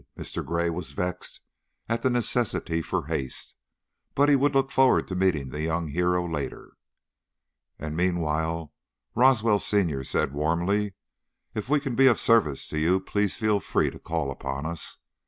Mr. Gray was vexed at the necessity for haste, but he would look forward to meeting the young hero later. "And meanwhile," Roswell, senior, said, warmly, "if we can be of service to you, please feel free to call upon us.